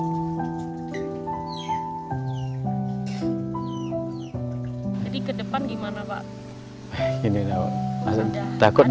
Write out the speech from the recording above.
ketut dan ketut yang berusaha untuk mencari kekuasaan